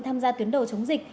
tham gia tuyến đầu chống dịch